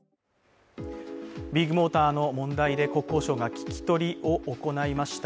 ビッグモーターの問題で国交省が聞き取りを行いました。